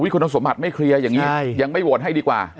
คุณสมบัติไม่เคลียร์อย่างนี้ยังไม่โหวตให้ดีกว่า